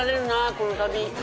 この旅。